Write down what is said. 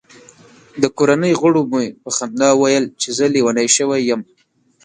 د کورنۍ غړو مې په خندا ویل چې زه لیونی شوی یم.